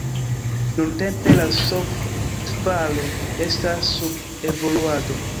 Nuntempe la softvaro estas sub evoluado.